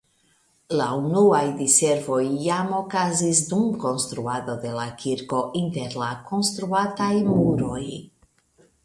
La unuaj diservoj jam okazis dum konstruado de la kirko inter la konstruataj muroj.